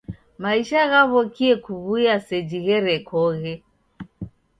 Maisha ghaw'okie kuw'uya seji gherekoghe.